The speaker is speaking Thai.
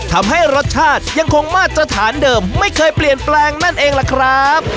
ทำให้รสชาติยังคงมาตรฐานเดิมไม่เคยเปลี่ยนแปลงนั่นเองล่ะครับ